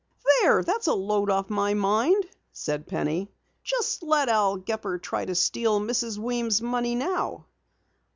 "There, that's a load off my mind," said Penny. "Just let Al Gepper try to steal Mrs. Weems' money now!"